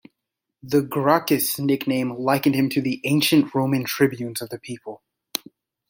The "Gracchus" nickname likened him to the ancient Roman tribunes of the people.